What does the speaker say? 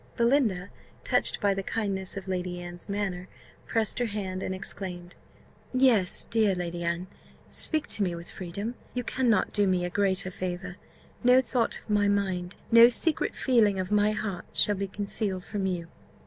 Belinda, touched by the kindness of Lady Anne's manner, pressed her hand, and exclaimed, "Yes, dear Lady Anne, speak to me with freedom you cannot do me a greater favour. No thought of my mind, no secret feeling of my heart, shall be concealed from you."